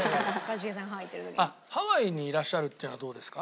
あっハワイにいらっしゃるっていうのはどうですか？